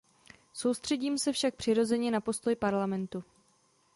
Soustředím se však přirozeně na postoj Parlamentu.